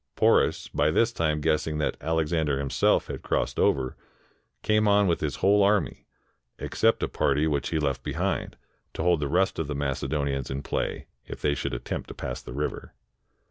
Poms, by this time guessing that Alexander himself had crossed over, came on with his whole army, except a party which he left behind to hold the rest of the IMacedonians in play, if they should attempt to pass the river.